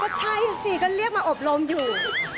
ใช่สิก็เรียกมาอบรมอยู่